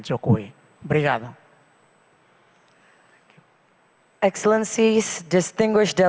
tuan dan tuan presiden